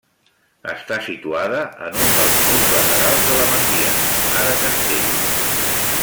Està situada en un dels murs laterals de la masia, ara castell.